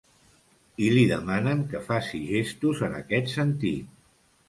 I li demanen que faci ‘gestos’ en aquest sentit.